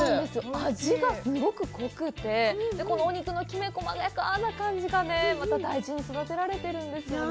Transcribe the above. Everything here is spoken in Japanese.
味がすごく濃くて、このお肉のきめ細やかな感じがねまた大事に育てられてるんですよね。